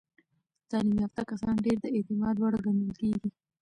تعلیم یافته کسان ډیر د اعتماد وړ ګڼل کېږي.